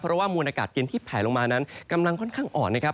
เพราะว่ามวลอากาศเย็นที่แผลลงมานั้นกำลังค่อนข้างอ่อนนะครับ